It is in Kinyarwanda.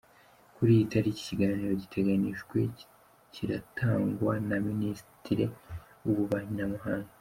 Kuri iyi tariki ikiganiro giteganijwe kiratangwa na Minisitiri w’Ububanyi n’amahanga.